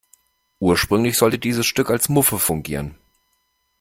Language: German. Ursprünglich sollte dieses Stück als Muffe fungieren.